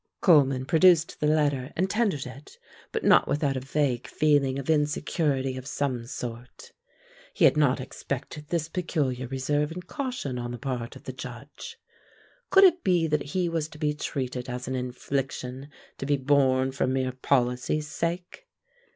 Coleman produced the letter and tendered it: but not without a vague feeling of insecurity of some sort. He had not expected this peculiar reserve and caution on the part of the Judge. Could it be that he was to be treated as an infliction to be borne for mere policy's sake.